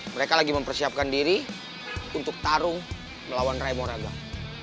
mereka lagi mempersiapkan diri untuk tarung melawan raimo radang